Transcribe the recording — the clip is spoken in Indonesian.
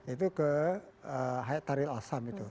itu ke haithar al assam itu